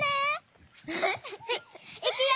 いくよ！